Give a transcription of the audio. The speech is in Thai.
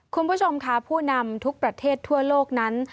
คุณผู้ชมค่ะผู้นำทุกประเทศทั่วโลกนั้น